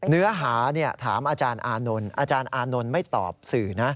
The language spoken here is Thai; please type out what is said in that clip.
เนื้อหาถามอาจารย์อานนท์อาจารย์อานนท์ไม่ตอบสื่อนะ